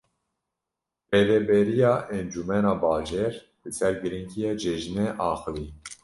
Birêveberiya Encumena Bajêr li ser girîngiya cejinê axivî.